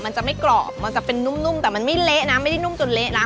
มันจะไม่กรอบมันจะเป็นนุ่มแต่มันไม่เละนะ